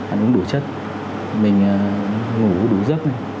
ăn uống đủ chất mình ngủ đủ rất